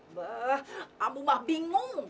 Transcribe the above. abah kamu mah bingung